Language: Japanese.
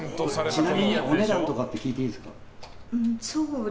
ちなみにお値段とかって聞いていいですか。